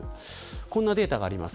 こんなデータがあります。